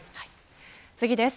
次です。